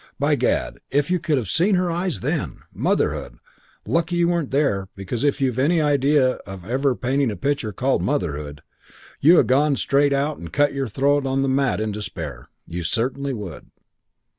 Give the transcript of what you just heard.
By gad, if you could have seen her eyes then! Motherhood! Lucky you weren't there, because if you've any idea of ever painting a picture called Motherhood, you'd ha' gone straight out and cut your throat on the mat in despair. You certainly would.